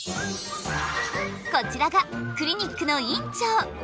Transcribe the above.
こちらがクリニックの院長！